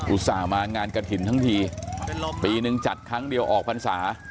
ต่ามางานกระถิ่นทั้งทีปีนึงจัดครั้งเดียวออกพรรษา